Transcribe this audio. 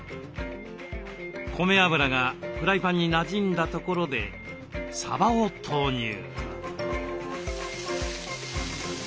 米油がフライパンになじんだところでさばを投入。